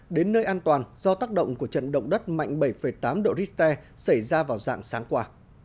đến nơi an toàn do tác động của trận động đất mạnh bảy tám độ richter xảy ra vào dạng sáng qua